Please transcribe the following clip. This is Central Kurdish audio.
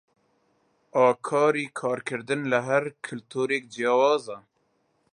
ئاکاری کارکردن لە هەر کولتوورێک جیاوازە.